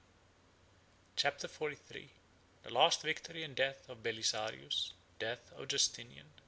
] Chapter XLIII: Last Victory And Death Of Belisarius, Death OF Justinian.